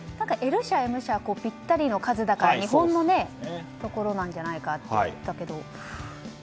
Ｌ社、Ｍ社はぴったりの数だから日本のところなんじゃないかと言われてたけど。